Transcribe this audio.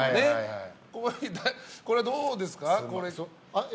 これ、どうですか？